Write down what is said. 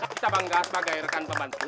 bisa bangga sebagai rekan pembantu